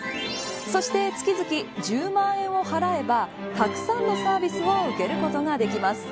そして月々１０万円を払えばたくさんのサービスを受けることができます。